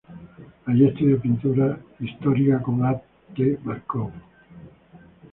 Allí estudió pintura histórica con A. T. Markov.